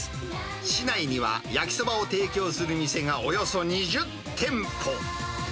市内には焼きそばを提供する店がおよそ２０店舗。